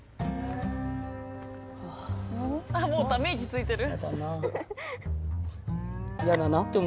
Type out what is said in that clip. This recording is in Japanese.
もうため息ついてる。